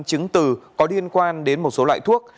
chứng từ có liên quan đến một số loại thuốc